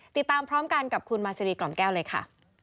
ติดตามพร้อมกันกับคุณมาซีรีกล่อมแก้วเลยค่ะ